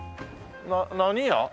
何屋？